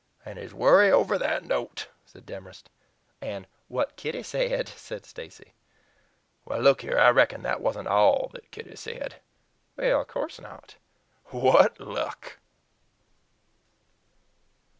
"And his worry over that note?" said Demorest. "And 'what Kitty said,'" said Stacy. "Look here! I reckon that wasn't ALL that Kitty said." "Of course not." "What luck!"